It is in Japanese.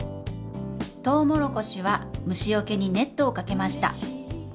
トウモロコシは虫よけにネットをかけました！